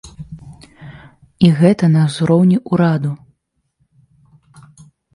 І гэта на ўзроўні ўраду!